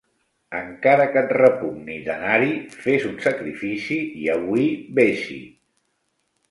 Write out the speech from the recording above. Encara que et repugni d'anar-hi, fes un sacrifici i avui ves-hi.